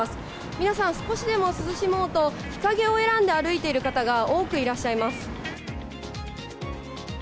皆さん、少しでも涼しもうと、日陰を選んで歩いている方が多くいらっしゃいます。